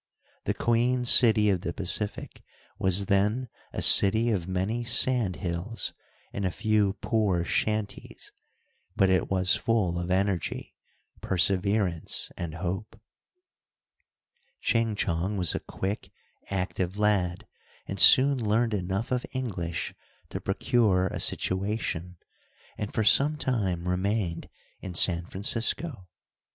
The Queen city of the Pacific was then a city of many sand hills, and a few poor shanties, but it was full of energy, perseverance, and hope. Ching Chong was a quick, active lad, and soon learned enough of English to procure a situation, and for some time remained in San Francisco.